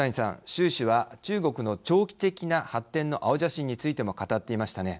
習氏は中国の長期的な発展の青写真についても語っていましたね。